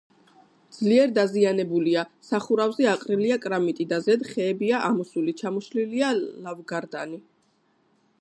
ძლიერ დაზიანებულია: სახურავზე აყრილია კრამიტი და ზედ ხეებია ამოსული, ჩამოშლილია ლავგარდანი.